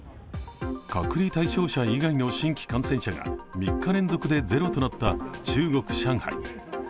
隔離対象者以外の新規感染者が３日連続でゼロとなった中国・上海。